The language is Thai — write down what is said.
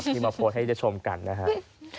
ที่มาโพสต์ให้ได้ชมกันนะครับ